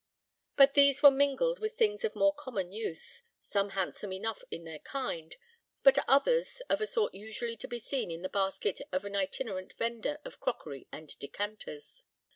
But these were mingled with things of more common use, some handsome enough in their kind, but others of a sort usually to be seen in the basket of an itinerant vender of crockery and decanters.